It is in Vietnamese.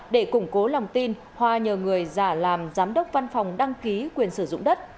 để củng cố lòng tin hoa nhờ người giả làm giám đốc văn phòng đăng ký quyền sử dụng đất